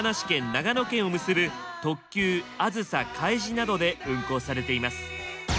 長野県を結ぶ特急あずさ・かいじなどで運行されています。